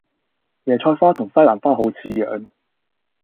椰菜花同西蘭花好似樣